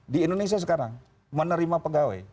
di indonesia sekarang menerima pegawai